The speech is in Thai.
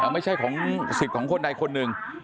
ไม่ใช่ของสิทธิ์ของคนใดคนหนึ่ง